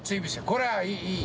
これはいい！